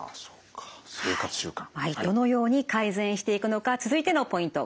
どのように改善していくのか続いてのポイント